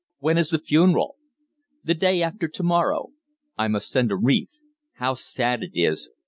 When is the funeral?" "The day after to morrow." "I must send a wreath. How sad it is!